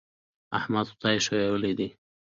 احمد خدای ښويولی دی.